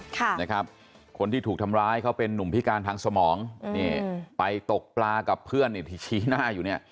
ค่ะนะครับคนที่ถูกทำร้ายเขาเป็นนุ่มพิการทางสมองนี่ไปตกปลากับเพื่อนเนี่ยที่ชี้หน้าอยู่เนี่ย